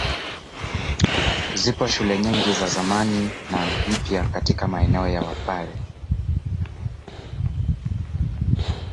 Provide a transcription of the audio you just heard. Zipo shule nyingi za zamani na mpya katika maeneo ya Wapare.